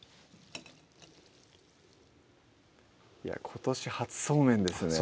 今年初そうめんですね